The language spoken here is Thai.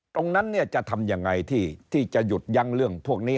ตรงนั้นจะทำยังไงที่จะหยุดยั้งเรื่องพวกนี้